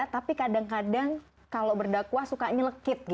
tapi kadang kadang kalau berdakwah sukanya lekit